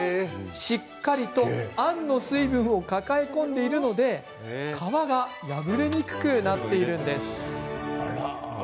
しっかりとあんの水分を抱え込んでいるので皮が破れにくくなっているんです。